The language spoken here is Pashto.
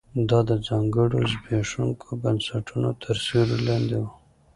دا د ځانګړو زبېښونکو بنسټونو تر سیوري لاندې و